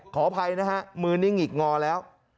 ขออภัยนะฮะมือนิ่งหิกงอแล้ว